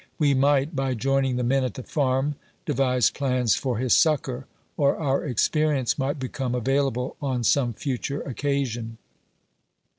We might, by joining the men at the Farm, devise plans for his succor ; or our experience might become available on some future occasion.